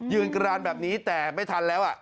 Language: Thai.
กรานแบบนี้แต่ไม่ทันแล้ว